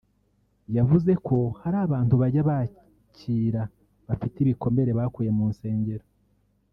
yavuze ko hari abantu bajya bakira bafite ibikomere bakuye mu nsengero